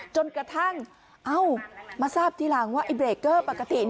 จนกระทั่งเอ้ามาทราบทีหลังว่าไอ้เบรกเกอร์ปกติ